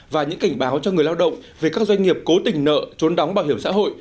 và những cảnh báo cho người lao động về các doanh nghiệp cố tình nợ trốn đóng bảo hiểm xã hội